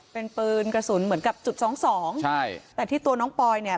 เป็นปืนกระสุนเหมือนกับจุดสองสองใช่แต่ที่ตัวน้องปอยเนี่ย